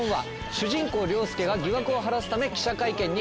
主人公凌介が疑惑を晴らすため記者会見に。